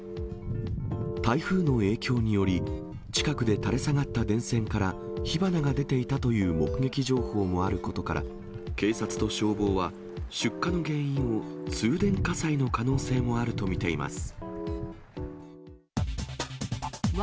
台風の影響により、近くで垂れ下がった電線から火花が出ていたという目撃情報もあることから、警察と消防は、出火の原因を通電火災の可能性もあると見ています。